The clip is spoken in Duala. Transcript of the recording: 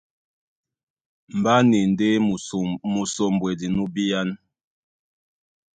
Mbá na e ndé musombwedi nú bíán.